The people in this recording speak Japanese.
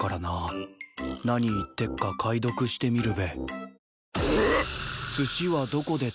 何言ってっか解読してみるべ。